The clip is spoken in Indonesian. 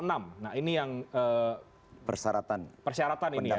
nah ini yang persyaratan